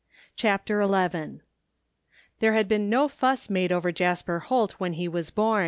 139 CHAPTER XI There had been no fuss made over Jasper Holt when he was bom.